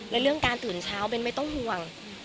และเรื่องการตื่นเช้าเบนไม่ต้องห่วง